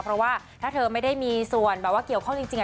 เพราะว่าถ้าเธอไม่ได้มีส่วนแบบว่าเกี่ยวข้องจริง